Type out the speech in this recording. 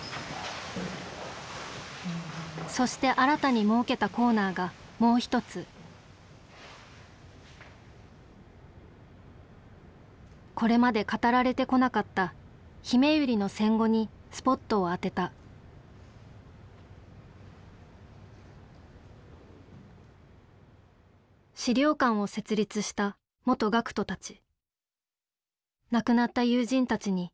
そして新たに設けたコーナーがもう一つこれまで語られてこなかったひめゆりの戦後にスポットを当てた資料館を設立した元学徒たち。